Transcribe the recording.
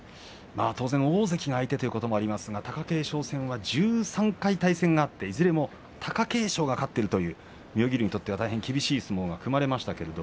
当然、大関が相手ということもありますけれど貴景勝は１３回対戦していずれも貴景勝が勝っている妙義龍にとっては非常に厳しい相撲が組まれました。